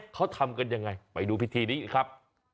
เขาทำกันยังไงไปดูพิธีนี้ครับ